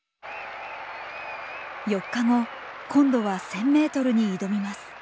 ４日後今度は１，０００ｍに挑みます。